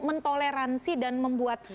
mentoleransi dan membuat